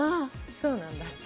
そうなんだって。